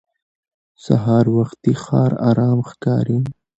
سهار وختي ښار ارام ښکاري